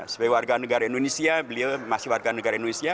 sebagai warga negara indonesia beliau masih warga negara indonesia